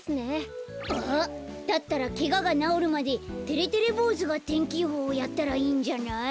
あっだったらケガがなおるまでてれてれぼうずが天気予報やったらいいんじゃない？